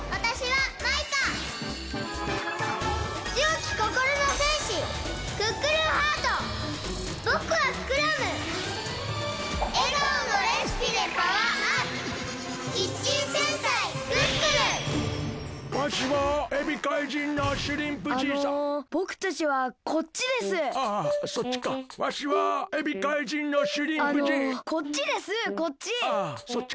あのこっちですこっち。